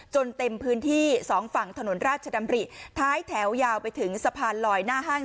เต็มพื้นที่สองฝั่งถนนราชดำริท้ายแถวยาวไปถึงสะพานลอยหน้าห้าง